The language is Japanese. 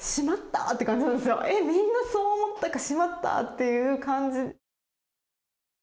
「えっみんなそう思ったかしまった！」っていう感じ。